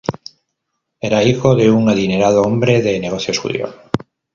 Era hijo de un adinerado hombre de negocios judío.